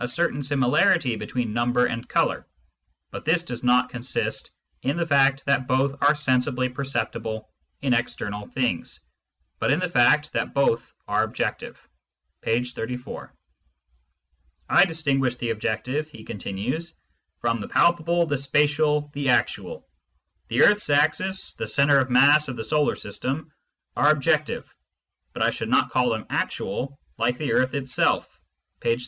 Digitized by Google THE POSITIVE THEORY OF INFINITY 201 similarity between number and colour ; but this does not consist in the fact that both are sensibly perceptible in external things, but in the fact that both are objective *' (P 34) " I distinguish the objective," he continues, " from the palpable, the spatial, the actual. The earth's axis, the centre of mass of the solar system, are objective, but I should not call them actual, like the earth itself" (p. 35).